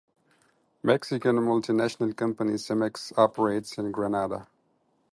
Mexican multinational company Cemex operates in Grenada.